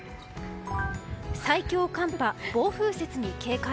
最強寒波、暴風雪に警戒。